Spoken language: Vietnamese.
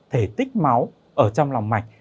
thể tích máu ở trong lòng mạch